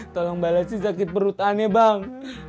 tolong balasi sakit perutannya bang